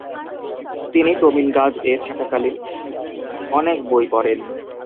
তিনি টোমিনগাজ এ থাকাকালীন অনেক বই পড়েন।